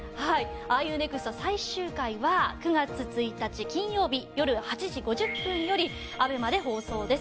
『ＲＵＮｅｘｔ？』最終回は９月１日金曜日よる８時５０分よりＡＢＥＭＡで放送です。